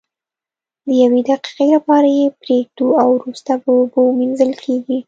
د یوې دقیقې لپاره یې پریږدو او وروسته په اوبو مینځل کیږي.